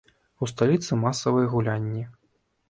У сталіцы масавыя гулянні.